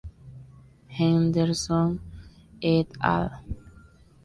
Henderson et al.